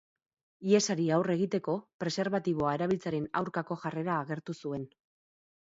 Hiesari aurre egiteko, preserbatiboa erabiltzearen aurkako jarrera agertu zuen.